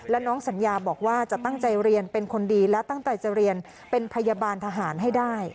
และน้องสัญญาบอกว่าจะตั้งใจเรียนเป็นคนดีและตั้งใจจะเรียนเป็นพยาบาลทหารให้ได้